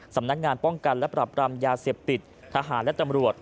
สำนักงานป้องกันและปรับรามยาเสพติดทหารและตำรวจ